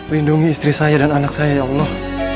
lindungi istri saya dan anak saya ya allah